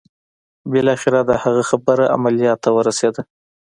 بالاخره د هغه خبره عمليات ته ورسېده.